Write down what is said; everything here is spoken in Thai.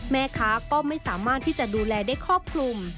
แม่ค้าก็ไม่สามารถที่จะดูแลได้ครอบคลุม